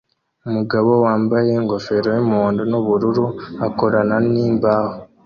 Umugabo wambaye ingofero yumuhondo nubururu akorana nimbaho